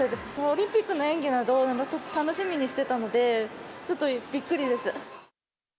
オリンピックの演技など、楽しみにしてたので、ちょっとびっくりです。